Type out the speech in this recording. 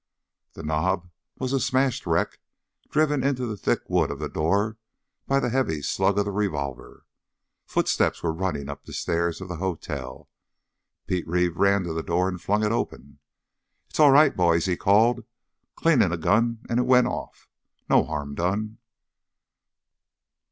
The doorknob was a smashed wreck, driven into the thick wood of the door by the heavy slug of the revolver. Footsteps were running up the stairs of the hotel. Pete Reeve ran to the door and flung it open. "It's all right, boys," he called. "Cleaning a gun and it went off. No harm done!"